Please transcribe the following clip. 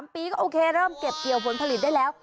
ปีก็โอเคเริ่มเก็บเกี่ยวผลผลิตได้แล้ว